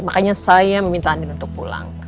makanya saya meminta andin untuk pulang